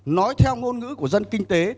nói theo ngôn ngữ của dân kinh tế